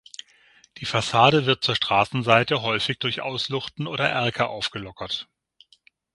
Die Fassade wird zur Straßenseite häufig durch Ausluchten oder Erker aufgelockert.